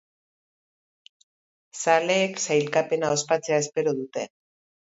Zaleek sailkapena ospatzea espero dute.